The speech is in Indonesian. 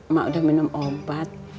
mak udah minum obat